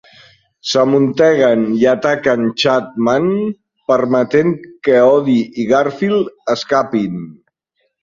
S'amunteguen i ataquen Chapman, permetent que Odie i Garfield escapin.